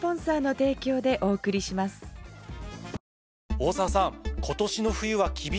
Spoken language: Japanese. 大沢さん。